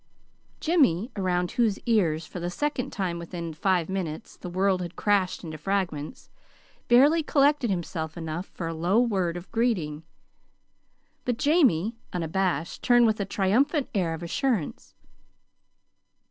Jimmy, around whose ears for the second time within five minutes the world had crashed into fragments, barely collected himself enough for a low word of greeting. But Jamie, unabashed, turned with a triumphant air of assurance.